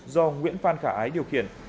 do nguyễn phan khả ái điều khiển